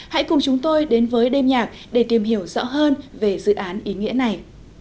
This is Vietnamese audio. hãy cùng chúng tôi đến với đêm nhạc để tìm hiểu rõ hơn về dự án ý nghĩa này